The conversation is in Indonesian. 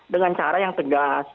dengan cara yang tegas